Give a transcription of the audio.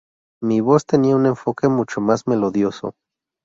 Mi voz tenía un enfoque mucho más melodioso.